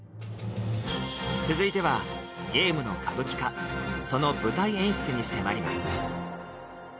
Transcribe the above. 続いてはゲームの歌舞伎化その舞台演出に迫ります